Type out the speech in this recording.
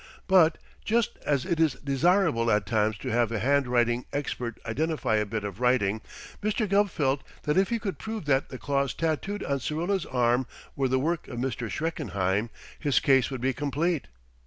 But, just as it is desirable at times to have a handwriting expert identify a bit of writing, Mr. Gubb felt that if he could prove that the claws tattooed on Syrilla's arm were the work of Mr. Schreckenheim, his case would be complete.